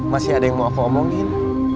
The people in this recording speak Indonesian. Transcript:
masih ada yang mau aku omongin